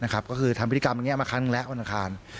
ก็คือทำพิธีกรรมนี้อันแรกอังแล้วอวันอางคาร